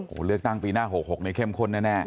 โอ้โหเลือกตั้งปีหน้า๖๖นี้เข้มข้นแน่